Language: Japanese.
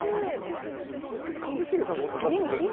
なんで一茂さんこんな出してくれるの。